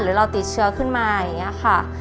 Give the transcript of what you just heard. หรือเราติดเชื้อขึ้นมาอย่างนี้ค่ะ